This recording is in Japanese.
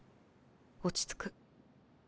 落ち着く。